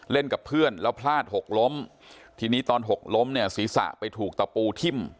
กับเพื่อนแล้วพลาดหกล้มทีนี้ตอนหกล้มเนี่ยศีรษะไปถูกตะปูทิ่ม